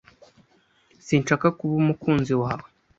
Sinshaka kuba umukunzi wawe.